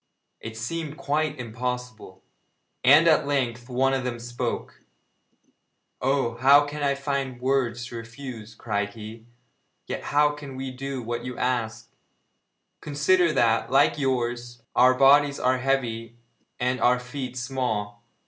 It seemed quite impossible, and at length one of them spoke: 'Oh, how can I find words to refuse?' cried he, 'yet how can we do what you ask? Consider that, like yours, our bodies are heavy and our feet small.